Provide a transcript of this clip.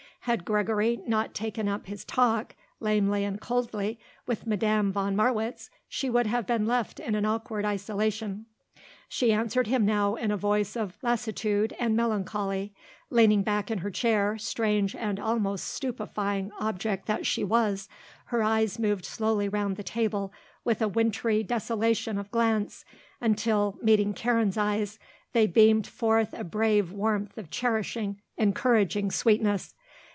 Had Gregory not taken up his talk, lamely and coldly, with Madame von Marwitz, she would have been left in an awkward isolation. She answered him now in a voice of lassitude and melancholy. Leaning back in her chair, strange and almost stupefying object that she was, her eyes moved slowly round the table with a wintry desolation of glance, until, meeting Karen's eyes, they beamed forth a brave warmth of cherishing, encouraging sweetness.